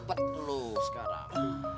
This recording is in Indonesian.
pet lu sekarang